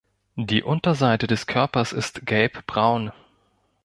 Die Unterseite des Körpers ist gelbbraun.